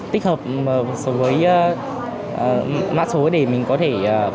tích hợp với mã số để mình có thể